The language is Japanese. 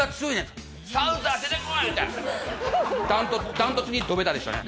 断トツにどベタでしたね。